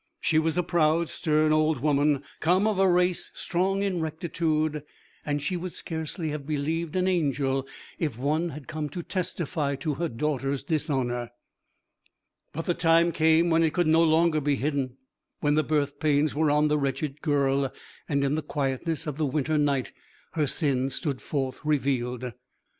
She was a proud, stern, old woman, come of a race strong in rectitude, and she would scarcely have believed an angel if one had come to testify to her daughter's dishonour. But the time came when it could no longer be hidden, when the birth pains were on the wretched girl, and in the quietness of the winter night, her sin stood forth revealed.